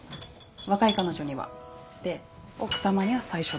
若い彼女には。で奥さまには最初の方。